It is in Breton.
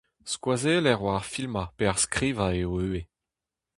Skoazeller war ar filmañ pe ar skrivañ eo ivez.